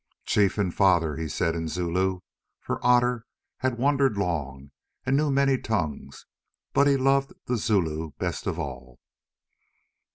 "Chief and Father," he said in Zulu, for Otter had wandered long and knew many tongues, but he loved the Zulu best of all.